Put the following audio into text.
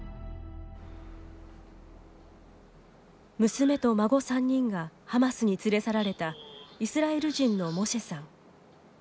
娘と孫３人がハマスに連れ去られたイスラエル人のモシェさん。